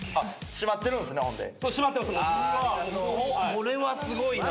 これはすごいな。